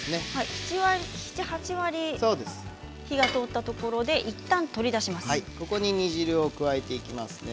７、８割火が通ったところでここに煮汁を加えていきますね。